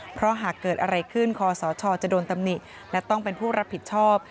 เพราะหากเกิดอะไรขึ้นคอสชจะโดนตำหนิและต้องเป็นผู้รับผิดชอบ